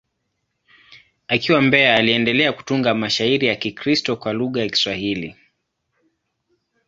Akiwa Mbeya, aliendelea kutunga mashairi ya Kikristo kwa lugha ya Kiswahili.